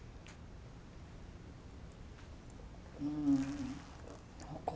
うん。